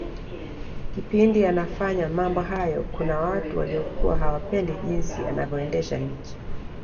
kipindi anafanya mambo hayo Kuna watu waliokuwa hawapendi jinsi anavyoendesha nchi